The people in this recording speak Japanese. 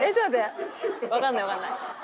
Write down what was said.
わかんないわかんない。